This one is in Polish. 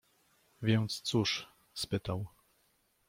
Więc cóż? — spytał.